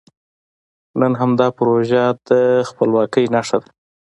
نن همدا پروژه د خپلواکۍ نښه ده.